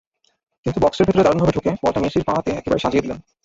কিন্তু বক্সের ভেতরে দারুণভাবে ঢুকে বলটা মেসির পাতে একেবারে সাজিয়ে দিলেন।